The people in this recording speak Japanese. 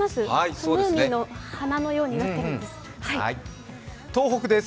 ムーミンの鼻のようになっているんです。